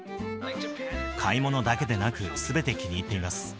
買い物だけでなく、すべて気に入っています。